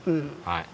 はい。